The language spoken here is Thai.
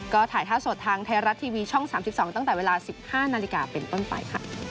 ก็ถ่ายท่าสดทางไทยรัฐทีวีช่อง๓๒ตั้งแต่เวลา๑๕นาฬิกาเป็นต้นไปค่ะ